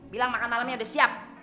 bilang makan malamnya udah siap